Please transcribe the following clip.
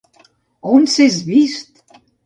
On s'és vist!